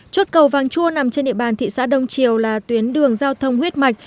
chốt cầu vàng chua nằm trên địa bàn thị xã đông triều là tuyến đường giao thông huyết mạch